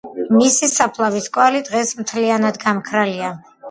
მისი საფლავის კვალი დღეს მთლიანად გამქრალია.